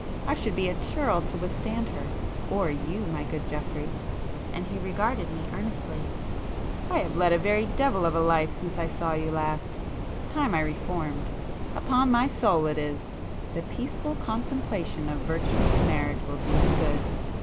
I should be a churl to withstand her,—or you, my good Geoffrey,"—and he regarded me earnestly—"I have led a very devil of a life since I saw you last,—it's time I reformed,—upon my soul it is! The peaceful contemplation of virtuous marriage will do me good!